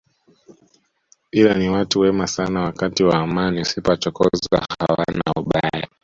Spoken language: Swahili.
Ila ni watu wema sana wakati wa amani usipowachokoza hawana ubaya